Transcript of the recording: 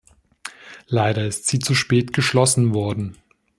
Leider ist sie zu spät geschlossen worden.